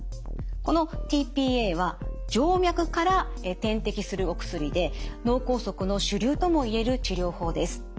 このｔ−ＰＡは静脈から点滴するお薬で脳梗塞の主流とも言える治療法です。